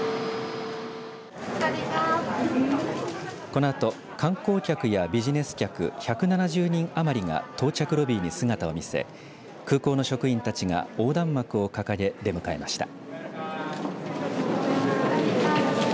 このあと観光客やビジネス客１７０人余りが到着ロビーに姿を見せ空港の職員たちが横断幕を掲げ出迎えました。